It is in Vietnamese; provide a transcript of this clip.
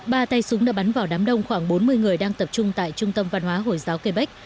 ba tay súng đã bắn vào đám đông khoảng bốn mươi người đang tập trung tại trung tâm văn hóa hồi giáo quebec